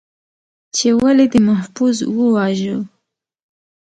، چې ولې دې محفوظ وواژه؟